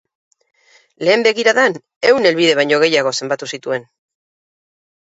Lehen begiradan, ehun helbide baino gehiago zenbatu zituen.